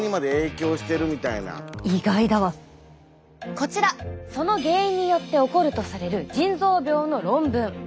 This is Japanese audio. こちらその原因によって起こるとされる腎臓病の論文。